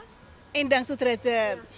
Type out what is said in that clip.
ibu endang sutrejet